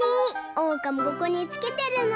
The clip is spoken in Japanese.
おうかもここにつけてるの！